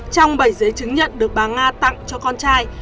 trong bảy giấy chứng nhận được bà nga tặng cho con trai